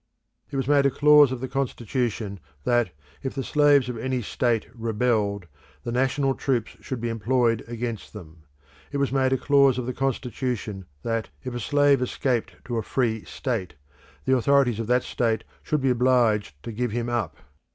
It was made a clause of the Constitution that, if the slaves of any state rebelled, the national troops should be employed against them. It was made a clause of the Constitution that, if a slave escaped to a free state, the authorities of that state should be obliged to give him up.